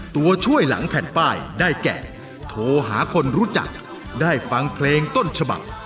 ตัวช่วยหลังแผ่นป้ายได้แก่โทรหาคนรู้จักได้ฟังเพลงต้นฉบับ